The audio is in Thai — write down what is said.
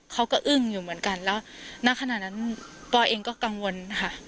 อึ้งอยู่เหมือนกันแล้วณขณะนั้นปอเองก็กังวลค่ะ